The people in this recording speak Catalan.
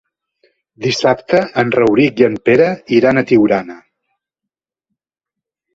Dissabte en Rauric i en Pere iran a Tiurana.